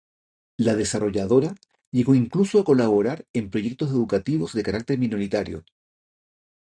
La desarrolladora llegó incluso a colaborar en proyectos educativos de carácter minoritario.